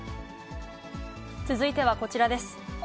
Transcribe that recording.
続いてはこちらです。